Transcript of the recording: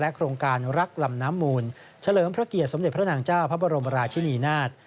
โครงการรักลำน้ำมูลเฉลิมพระเกียรติสมเด็จพระนางเจ้าพระบรมราชินีนาฏ